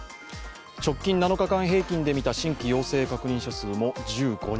直近７日間平均で見た新規陽性確認者数も１５人